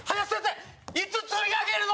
いつ釣り上げるの？